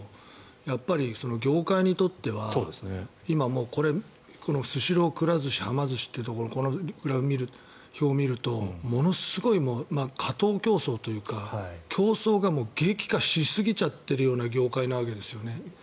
やっぱり業界にとっては今、このスシロー、くら寿司はま寿司というところこの表を見るとものすごい過当競争というか競争が激化しすぎちゃってるような業界なわけですよね。